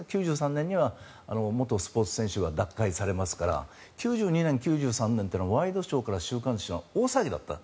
９３年には元スポーツ選手が脱会されますから９２年、９３年というのはワイドショー、週刊誌は大騒ぎだった。